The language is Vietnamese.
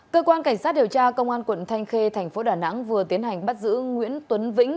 cơ quan cảnh sát điều tra công an quận thanh khê thành phố đà nẵng vừa tiến hành bắt giữ nguyễn tuấn vĩnh